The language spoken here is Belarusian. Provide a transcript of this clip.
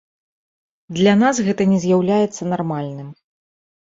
Для нас гэта не з'яўляецца нармальным.